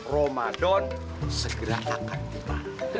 ramadan segera akan tiba